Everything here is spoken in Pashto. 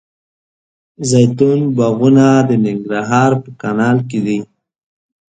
زیتون باغونه د ننګرهار په کانال کې دي.